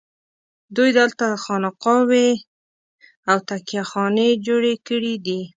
دوی دلته خانقاوې او تکیه خانې جوړې کړي دي.